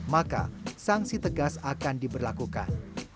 maka sanksi tegas akan diberlakukan